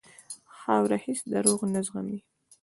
خاوره هېڅ دروغ نه زغمي.